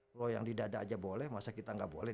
kalau yang di dada aja boleh masa kita nggak boleh